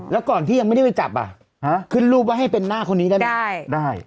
แล้วก่อนที่ยังไม่ได้ไปจับขึ้นรูปว่าให้เป็นหน้าคนนี้ได้ไหมได้